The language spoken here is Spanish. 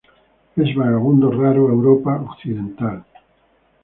Es vagabundo raro a Europa occidental.